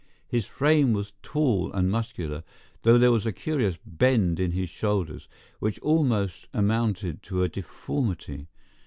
His frame was tall and muscular, though there was a curious bend in his shoulders, which almost amounted to a deformity.